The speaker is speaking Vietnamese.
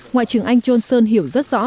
ngoại trưởng anh johnson hiểu rất rõ